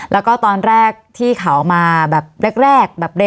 วันนี้แม่ช่วยเงินมากกว่า